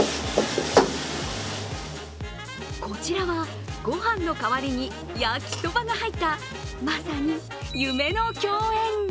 こちらはごはんの代わりに焼きそばが入ったまさに夢の共演。